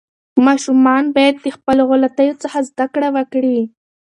ماشومان باید د خپلو غلطیو څخه زده کړه وکړي.